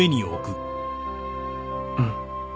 うん。